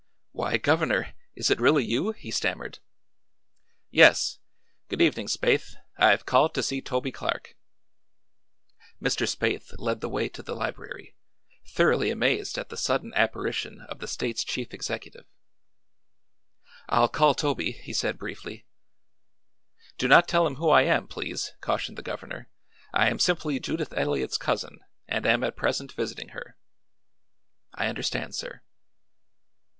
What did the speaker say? "Why, Governor is it really you?" he stammered. "Yes. Good evening, Spaythe. I've called to see Toby Clark." Mr. Spaythe led the way to the library, thoroughly amazed at the suddenly apparition of the state's chief executive. "I'll call Toby," he said briefly. "Do not tell him who I am, please," cautioned the governor. "I am simply Judith Eliot's cousin, and am at present visiting her." "I understand, sir."